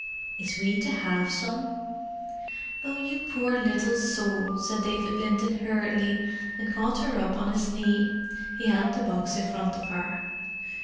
"Is we to have some?" "Oh, you poor little soul!" said David Linton hurriedly, and caught her up on his knee. He held the box in front of her.